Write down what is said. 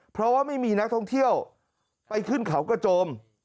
เพราะว่าไม่มีนักท่องเที่ยวไปขึ้นเขากระโจม